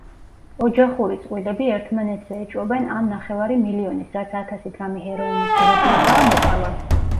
ოჯახური წყვილები ერთმანეთზე ეჭვობენ ამ ნახევარი მილიონის, რაც ათასი გრამი ჰეროინის ღირებულებაა, მოპარვას.